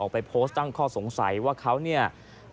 ไปโพสต์ตั้งข้อสงสัยว่าเขาเนี่ย